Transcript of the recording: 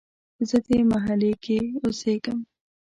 زه دې محلې کې اوسیږم